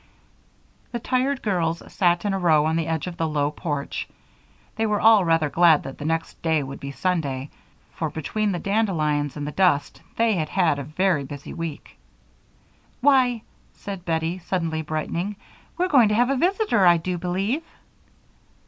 The tired girls sat in a row on the edge of the low porch. They were all rather glad that the next day would be Sunday, for between the dandelions and the dust they had had a very busy week. "Why!" said Bettie, suddenly brightening. "We're going to have a visitor, I do believe."